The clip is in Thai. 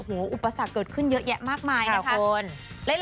โอ้โหอุปสรรคเกิดขึ้นเยอะแยะมากมายนะคุณ